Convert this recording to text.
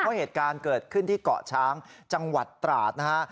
เพราะเหตุการณ์เกิดขึ้นที่เกาะช้างจังหวัดตราดนะฮะ